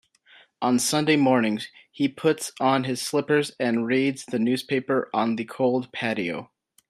On Sunday mornings, he puts on his slippers and reads the newspaper on the cold patio.